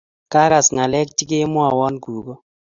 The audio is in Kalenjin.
Kagaas ngalek chigemwowon kugo